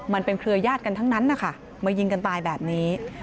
เครือยาศกันทั้งนั้นนะคะมายิงกันตายแบบนี้